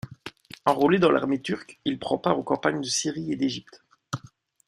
Enrôlé dans l'armée turque, il prend part aux campagnes de Syrie et d'Égypte.